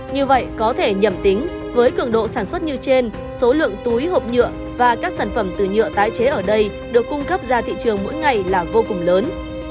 như vậy có thể nhầm tính với cường độ sản xuất như trên số lượng túi hộp nhựa và các sản phẩm từ nhựa tái chế ở đây được cung cấp ra thị trường mỗi ngày là vô cùng lớn